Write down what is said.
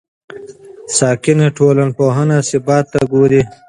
ساکنه ټولنپوهنه ثبات ته ګوري.